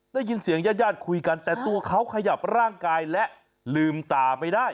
ได้ยินเสียงญาติคุยกันแต่ตัวเขาขยับร่างกายและลืมตาไม่ได้